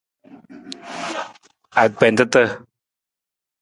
Agbentata.